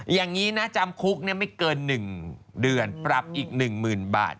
อย่างนี้นะจำคุกไม่เกิน๑เดือนปรับอีก๑๐๐๐บาท